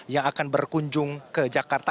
yang akan berkunjung ke jakarta